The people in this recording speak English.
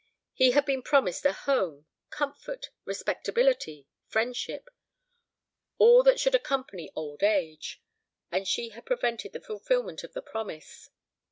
He had been promised a home, comfort, respectability, friendship "all that should accompany old age" and she had prevented the fulfilment of the promise.